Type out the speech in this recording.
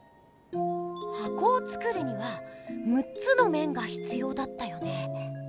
はこをつくるには６つのめんがひつようだったよね。